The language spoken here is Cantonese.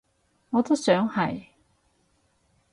我都想係